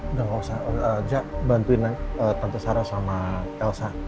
udah gak usah bantuin tante sarah sama elsa